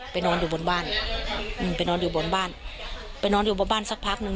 นอนอยู่บนบ้านอืมไปนอนอยู่บนบ้านไปนอนอยู่บนบ้านสักพักหนึ่ง